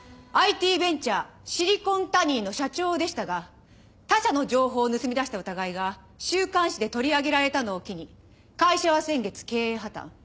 ＩＴベンチャーシリコンタニーの社長でしたが他社の情報を盗み出した疑いが週刊誌で取り上げられたのを機に会社は先月経営破綻。